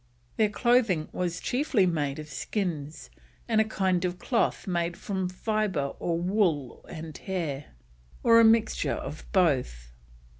Their clothing was chiefly made of skins, and a kind of cloth made from fibre or wool and hair, or a mixture of both.